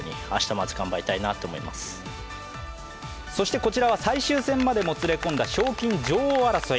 こちらは最終戦までもつれ込んだ賞金女王争い。